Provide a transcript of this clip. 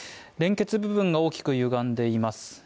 連結部分が大きく歪んでいます。